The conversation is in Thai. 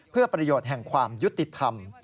เพื่อประโยชน์แห่งความยุติธรรม